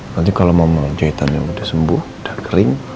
nanti kalau mau jahitan yang udah sembuh udah kering